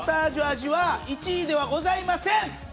味は１位ではありません！